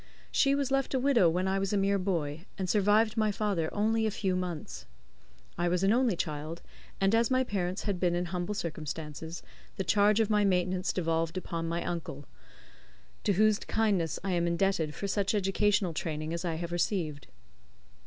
She was left a widow when I was a mere boy, and survived my father only a few months. I was an only child, and as my parents had been in humble circumstances, the charge of my maintenance devolved upon my uncle, to whose kindness I am indebted for such educational training as I have received.